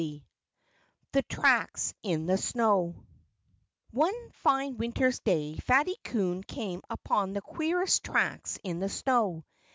XX THE TRACKS IN THE SNOW One fine winter's day Fatty Coon came upon the queerest tracks in the snow.